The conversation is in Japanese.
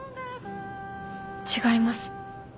違います。